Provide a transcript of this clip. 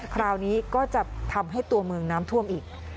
คราวนี้ก็จะทำให้ตัวเมืองน้ำท่วมอีก